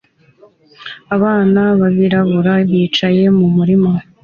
Abana b'abirabura bicaye mu murima